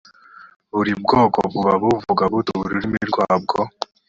buri bwoko buba buvuga bute ururimi rwabwo